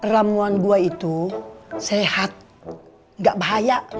ramuan gua itu sehat gak bahaya